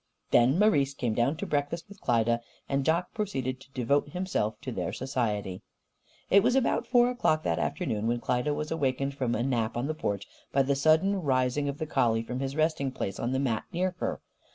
Then Marise came down to breakfast with Klyda, and Jock proceeded to devote himself to their society. It was about four o'clock that afternoon when Klyda was awakened from a nap on the porch by the sudden rising of the collie from his resting place on the mat near her.